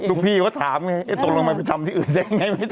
พี่เขาถามไงตกลงไปทำที่อื่นได้ไง